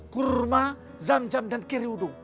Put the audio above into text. kurma zam zam dan kiri udu